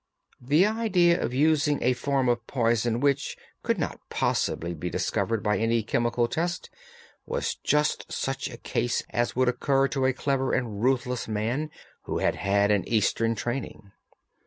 The idea of using a form of poison which could not possibly be discovered by any chemical test was just such a one as would occur to a clever and ruthless man who had had an Eastern training.